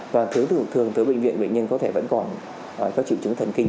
và thường từ bệnh viện bệnh nhân có thể vẫn còn có chữ chứng thần kinh